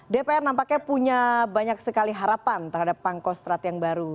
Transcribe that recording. dpr nampaknya punya banyak sekali harapan terhadap pangkostrat yang baru